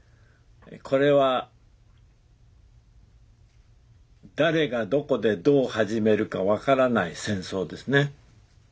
これは誰がどこでどう始めるか分からない戦争ですね。